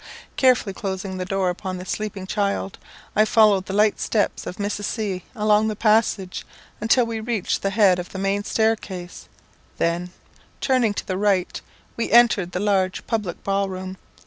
Carefully closing the door upon the sleeping child, I followed the light steps of Mrs. C along the passage, until we reached the head of the main staircase, then, turning to the right, we entered the large public ballroom.